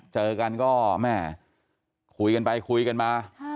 เจอกันก็กลายสินการคุยกันไปคุยกันมา